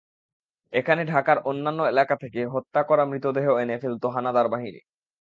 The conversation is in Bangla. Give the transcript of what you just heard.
এখানে ঢাকার অন্যান্য এলাকা থেকে হত্যা করা মৃতদেহ এনে ফেলত হানাদার বাহিনী।